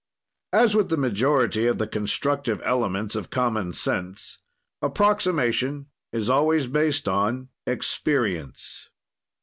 "As with the majority of the constructive elements of common sense, approximation is always based on experience.